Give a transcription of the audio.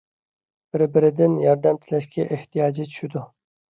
بىر - بىرىدىن ياردەم تىلەشكە ئېھتىياجى چۈشىدۇ.